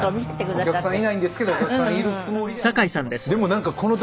お客さんいないんですけどお客さんいるつもりで握手してます。